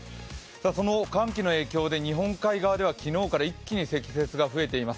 その寒気の影響で日本海側には一気に積雪が増えています。